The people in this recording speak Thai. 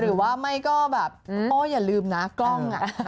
หรือว่าไม่ก็แบบโอ้อย่าลืมนะกล้อง